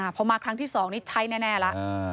พอมาครั้งที่๒นี่ใช้แน่แล้ว